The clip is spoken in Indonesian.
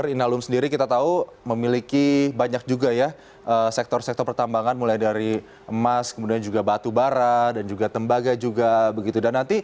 inalum sendiri kita tahu memiliki banyak juga ya sektor sektor pertambangan mulai dari emas kemudian juga batu bara dan juga tembaga juga begitu